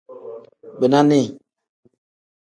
Bina nii.